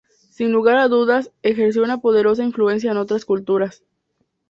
Sin lugar a dudas, ejerció una poderosa influencia en otras culturas.